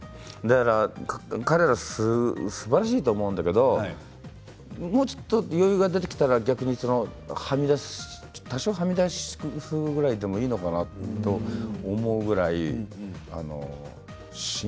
彼ら、すばらしいと思うんだけどもうちょっと余裕が出てきたら逆に多少はみ出すふうぐらいでもいいのかなと思うぐらい。